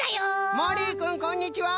もりいくんこんにちは！